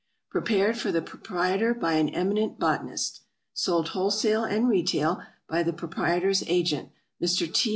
Prepared for the Proprietor by an eminent Botanist. Sold Wholesale and Retail by the Proprietor's Agent, Mr. T.